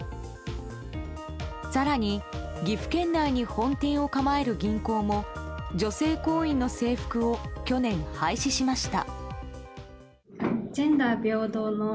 更に、岐阜県内に本店を構える銀行も女性行員の制服を去年、廃止しました。